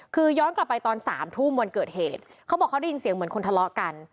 คือย้อนกลับไปตอน๓ทุ่มวันเกิดเหตุเขาบอกเขาได้ยินเสียงเหมือนคนทะเลาะกัน